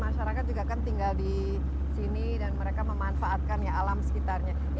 masyarakat juga kan tinggal di sini dan mereka memanfaatkan alam sekitarnya